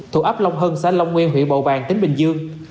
thủ áp long hân xã long nguyên huyện bầu bàng tỉnh bình dương